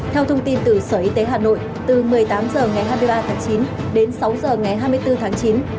theo thông tin từ sở y tế hà nội từ một mươi tám h ngày hai mươi ba tháng chín đến sáu h ngày hai mươi bốn tháng chín